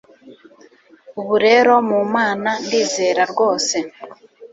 ubu rero mu mana ndizera rwose